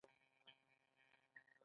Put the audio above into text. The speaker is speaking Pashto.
د سپرنووا چاودنه ستوری له منځه وړي.